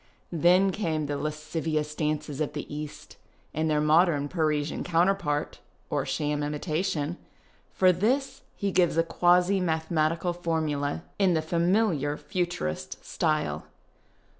Then came the lascivious dances of the East, and their modern Parisian counterpart — or sham imitation. For this he gives a quasi mathematical lornuda in the familiar Futurist style.